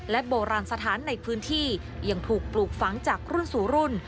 โบราณสถานในพื้นที่ยังถูกปลูกฝังจากรุ่นสู่รุ่น